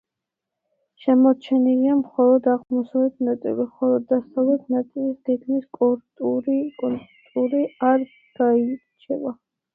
შემორჩენილია მხოლოდ აღმოსავლეთ ნაწილი, ხოლო დასავლეთ ნაწილის გეგმის კონტური არ გაირჩევა.